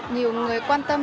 nhiều người quan tâm